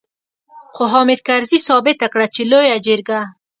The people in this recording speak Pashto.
خو حامد کرزي ثابته کړه چې لويه جرګه.